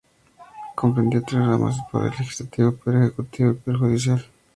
Comprendía tres ramas: el poder legislativo, el poder ejecutivo, y el judicial.